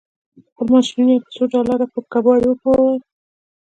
خپل ماشينونه يې په څو سوه ډالر پر کباړي وپلورل.